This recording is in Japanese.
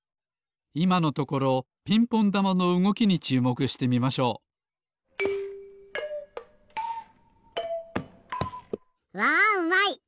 いまのところピンポンだまのうごきにちゅうもくしてみましょうわうまい！